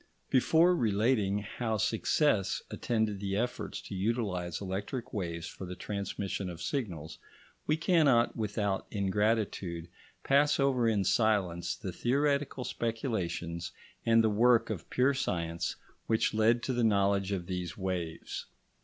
Before relating how success attended the efforts to utilise electric waves for the transmission of signals, we cannot without ingratitude pass over in silence the theoretical speculations and the work of pure science which led to the knowledge of these waves.